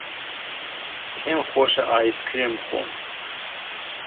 پێم خۆشە ئایسکرێم بخۆم.